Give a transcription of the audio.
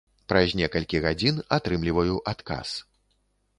Праз некалькі гадзін атрымліваю адказ.